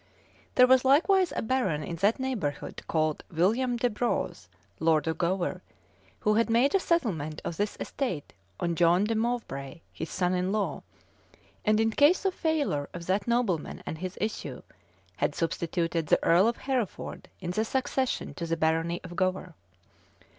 There was likewise a baron in that neighborhood, called William de Braouse, lord of Gower, who had made a settlement of his estate on John de Mowbray, his son in law; and in case of failure of that nobleman and his issue, had substituted the earl of Hereford in the succession to the barony of Gower.